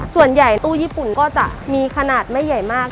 ส่วนใหญ่ตู้ญี่ปุ่นก็จะมีขนาดไม่ใหญ่มาก